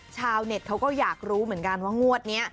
ชาวเน็ตเขาก็อยากรู้เหมือนกันว่างวดนี้